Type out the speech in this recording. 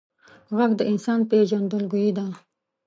غږ د انسان پیژندګلوي ده